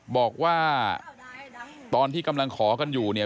บอกว่าตอนที่กำลังขอกันอยู่เนี่ย